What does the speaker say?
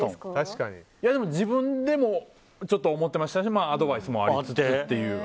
自分でもちょっと思ってましたしアドバイスもありつつっていう。